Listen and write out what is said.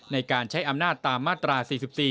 ในการใช้อำนาจตามมาตรา๔๔